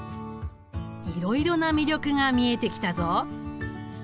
いろいろな魅力が見えてきたぞ。